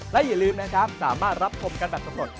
และอย่าลืมนะครับสามารถรับชมกันแบบสำรวจ